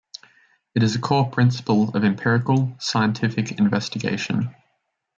It is a core principle of empirical, scientific investigation.